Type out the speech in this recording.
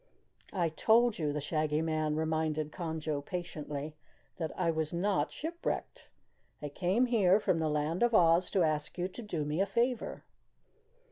"I told you," the Shaggy Man reminded Conjo patiently, "that I was not shipwrecked. I came here from the Land of Oz to ask you to do me a favor."